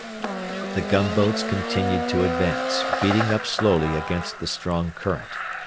The gunboats continued to advance, beating up slowly against the strong current.